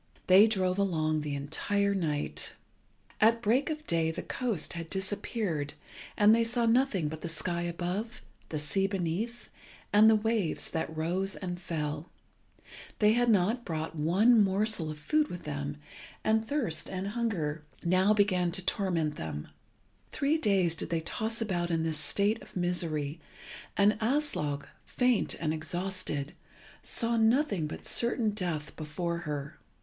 They drove along the entire night. At break of day the coast had disappeared, and they saw nothing but the sky above, the sea beneath, and the waves that rose and fell. They had not brought one morsel of food with them, and thirst and hunger began now to torment them. Three days did they toss about in this state of misery, and Aslog, faint and exhausted, saw nothing but certain death before her.